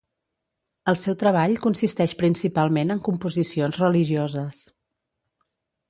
El seu treball consisteix principalment en composicions religioses.